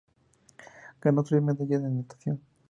Ganó tres medallas de natación.